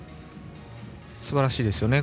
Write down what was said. すばらしいですよね。